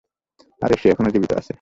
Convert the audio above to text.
আরে সে এখনো জীবিত আছে।